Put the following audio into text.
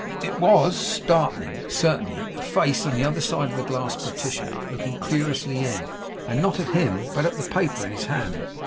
It WAS startling, certainly. A face on the other side of the glass partition looking curiously in; and not at him but at the paper in his hand.